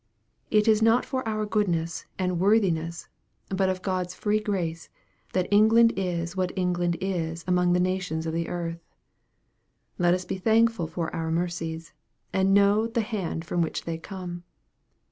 It is not for our goodness and worthiness, but of God's free grace, that England is what England is among the nations of the earth. Let us be thankful for our mercies, and know the hand from which they come.